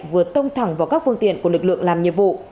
vừa tông thẳng vào các phương tiện của lực lượng làm nhiệm vụ